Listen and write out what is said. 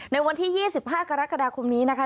ในวันที่๒๕กรกฎาคมนี้นะคะ